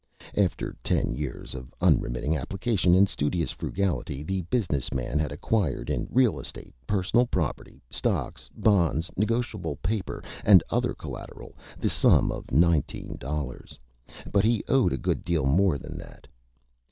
After Ten Years of Unremitting Application and Studious Frugality the Business Man had acquired in Real Estate, Personal Property, Stocks, Bonds, Negotiable Paper, and other Collateral, the sum of Nineteen Dollars, but he owed a good deal more than that.